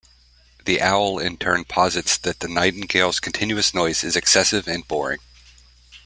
The Owl in turn posits that the Nightingale's continuous noise is excessive and boring.